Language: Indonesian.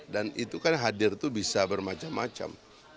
dan itu kan hadir tuh bisa bermacam macam